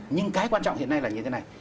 nhưng cái quan trọng hiện nay là như thế này